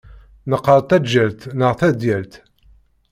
Neqqar taǧǧalt neɣ tadyalt.